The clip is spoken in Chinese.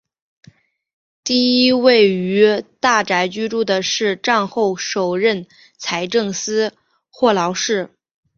第一位于大宅居住的是战后首任财政司霍劳士。